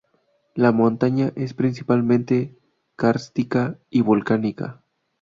La montaña es principalmente kárstica y volcánica.